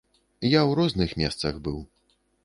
Я ў розных месцах быў.